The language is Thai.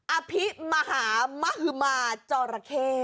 อะพิมาฮามาฮึมาจ็อราแฮ